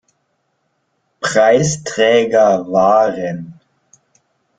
Preisträger waren